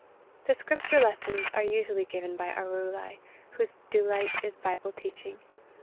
The Scripture lessons are usually given by Arulai, whose delight is Bible teaching.